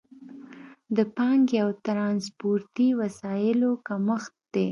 د پانګې او ترانسپورتي وسایلو کمښت دی.